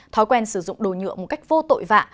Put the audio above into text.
thói quen sử dụng đồ nhựa một cách vô tội vạ